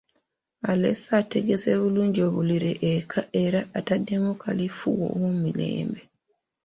Alese ategese bulungi obuliri eka era ateddemu kalifuuwa ow'omulembe.